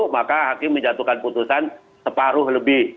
maka hakim menjatuhkan putusan separuh lebih